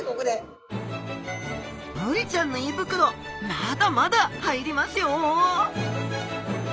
ブリちゃんの胃袋まだまだ入りますよ！